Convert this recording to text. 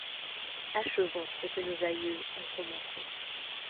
Achevons ce que nos aïeux ont commencé.